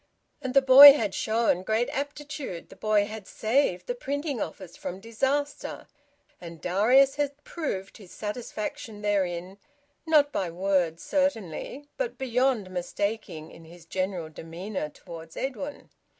And the boy had shown great aptitude. The boy had saved the printing office from disaster. And Darius had proved his satisfaction therein, not by words certainly, but beyond mistaking in his general demeanour towards Edwin.